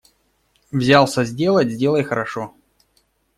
Взялся сделать – сделай хорошо.